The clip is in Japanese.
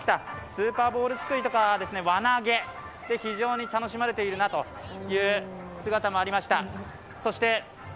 スーパーボールすくいとか輪投げ、非常に楽しまれているなという姿もありました。